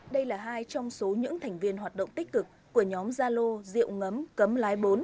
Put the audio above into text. đây là hai trong số những thành viên hoạt động tích cực của nhóm gia lô rượu ngấm cấm lái bốn